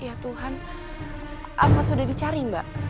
ya tuhan apa sudah dicari mbak